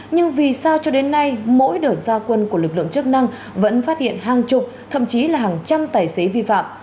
nhưng vì sao cho đến nay mỗi đợt gia quân của lực lượng chức năng vẫn phát hiện hàng chục thậm chí là hàng trăm tài xế vi phạm